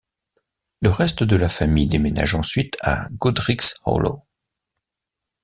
Le reste de la famille déménage ensuite à Godric's Hollow.